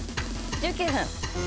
１９分。